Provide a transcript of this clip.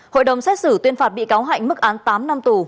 hội đồng xét xử tuyên phạt bị cáo hạnh mức án tám năm tù